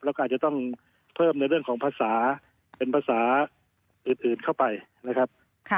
แล้วก็อาจจะต้องเพิ่มในเรื่องของภาษาเป็นภาษาอื่นเข้าไปนะครับ